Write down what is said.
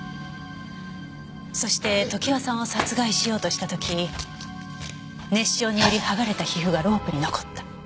そして常盤さんを殺害しようとした時熱傷によりはがれた皮膚がロープに残った。